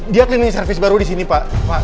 dia keliling servis baru disini pak